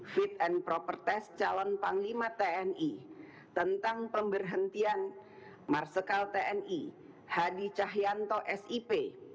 fit and proper test calon panglima tni tentang pemberhentian marsikal tni hadi cahyanto sip